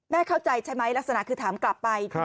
เข้าใจใช่ไหมลักษณะคือถามกลับไป